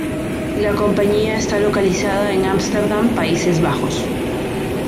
La compañia está localizada en Ámsterdam, Países Bajos.